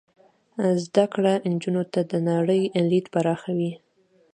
زده کړه نجونو ته د نړۍ لید پراخوي.